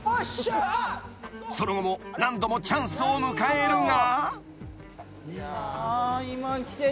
［その後も何度もチャンスを迎えるが］